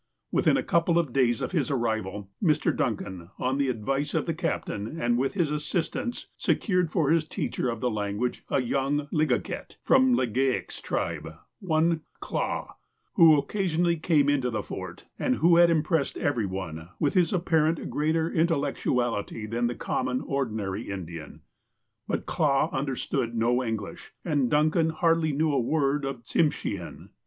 Within a couple of days of his arrival, Mr. Duncan, on the advice of the captain, and with his assistance, secured for his teacher of the language a young " Ligaket," from Legale' s tribe, one Clah, who occasionally came into the Fort, and who had impressed every one with his ap parently greater intellectuality than the common, ordi nary Indian. But Clah understood no English, and Duncan hardly knew a word of Tsimshean.